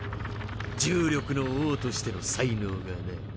重力の王としての才能がな。